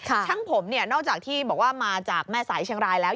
ช่างผมเนี่ยนอกจากที่บอกว่ามาจากแม่สายเชียงรายแล้ว